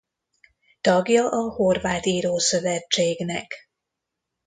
Tagja a horvát írószövetségnek.